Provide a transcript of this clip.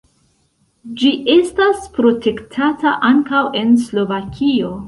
Ĝi estas protektata ankaŭ en Slovakio.